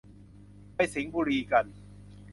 ไปสิงห์บุรีกัน